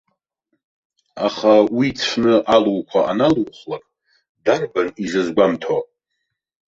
Аха уи цәны алуқәа аналухлак, дарбан изызгәамҭо.